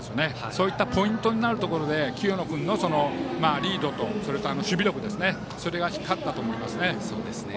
そんなポイントになるところで清野君のリードと守備力ですねそれが光ったと思います。